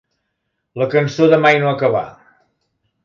La cançó de mai no acabar.